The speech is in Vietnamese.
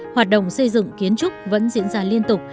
hoạt động xây dựng kiến trúc vẫn diễn ra liên tục